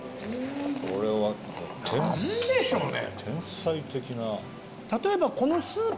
これは天才的な何でしょうね